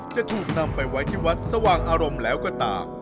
จะถูกนำไปไว้ที่วัดสว่างอารมณ์แล้วก็ตาม